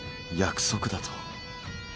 約束だと？